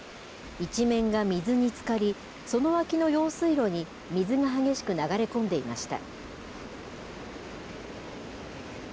一面が水につかり、その脇の用水路に水が激しく流れ込んでいました。